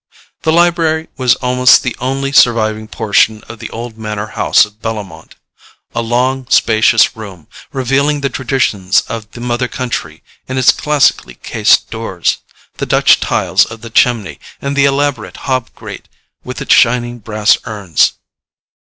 The library was almost the only surviving portion of the old manor house of Bellomont: a long spacious room, revealing the traditions of the mother country in its classically cased doors, the Dutch tiles of the chimney, and the elaborate hob grate with its shining brass urns.